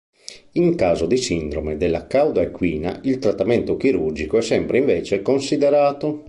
In caso di sindrome della cauda equina il trattamento chirurgico è sempre invece considerato.